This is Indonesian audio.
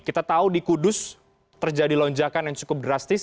kita tahu di kudus terjadi lonjakan yang cukup drastis